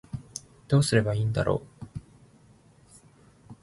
どうすればいいんだろう